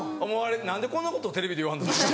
何でこんなことテレビで言わんと。